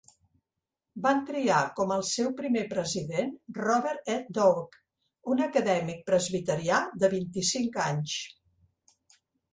Van triar com al seu primer president Robert E. Doak, un acadèmic presbiterià de vint-i-cinc anys.